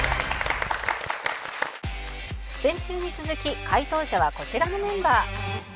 先週に続き解答者はこちらのメンバー